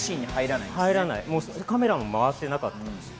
カメラも回ってなかったんです。